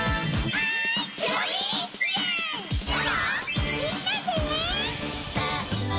はい！